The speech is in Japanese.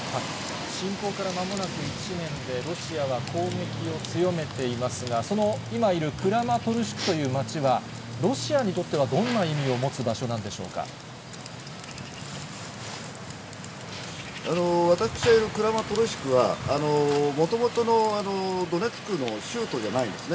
侵攻から間もなく１年で、ロシアは攻撃を強めていますが、その今いるクラマトルシクという町は、ロシアにとっては、どんな私がいるクラマトルシクは、もともとのドネツクの州都じゃないんですね。